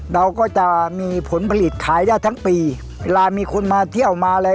เราก็จะมีผลผลิตขายได้ทั้งปีเวลามีคนมาเที่ยวมาอะไร